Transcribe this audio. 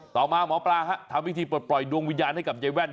ต่อมาหมอปลาทำวิธีปลดปล่อยดวงวิญญาณให้กับยายแว่น